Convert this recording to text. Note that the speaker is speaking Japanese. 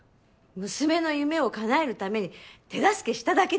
娘の夢を叶えるために手助けしただけです。